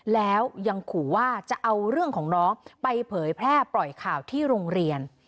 แล้วยังขู่ว่าจะเอาเรื่องของน้องไปเผยแพร่ปล่อยข่าวที่โรงเรียน